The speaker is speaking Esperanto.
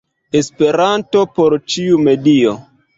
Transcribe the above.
Esperanto por ĉiu medio!